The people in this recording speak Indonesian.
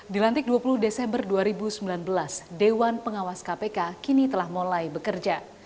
dilantik dua puluh desember dua ribu sembilan belas dewan pengawas kpk kini telah mulai bekerja